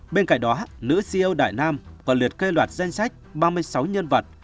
bên cạnh đó nữ ceo đại nam và liệt kê loạt danh sách ba mươi sáu nhân vật